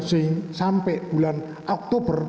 sehingga sampai bulan oktober